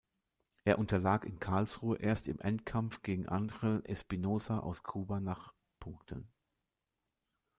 Er unterlag in Karlsruhe erst im Endkampf gegen Ángel Espinosa aus Kuba nach Punkten.